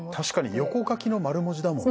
横書きの丸文字だもんね。